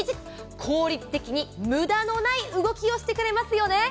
効率的に無駄のない動きをしてくれますよね。